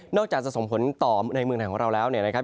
นอกจากจะส่งผลต่อในเมืองจากของเราแล้ว